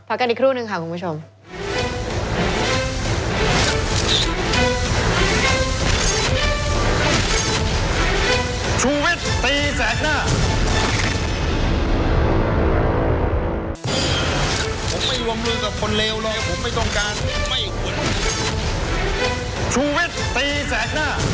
กันอีกครู่นึงค่ะคุณผู้ชม